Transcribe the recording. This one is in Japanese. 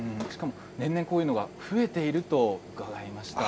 年々こういうのが増えていると伺いました。